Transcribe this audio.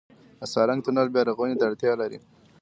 د سالنګ تونل بیارغونې ته اړتیا لري؟